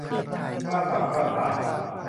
กระสับกระส่าย